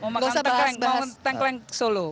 mau makan tengkleng solo